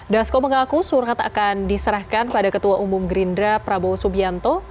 dasko mengaku surat akan diserahkan pada ketua umum gerindra prabowo subianto